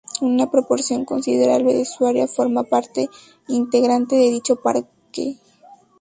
Una proporción considerable de su área forma parte integrante de dicho parque.